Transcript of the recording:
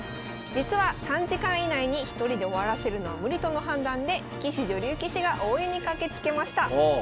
実は３時間以内に１人で終わらせるのは無理との判断で棋士女流棋士が応援に駆けつけました。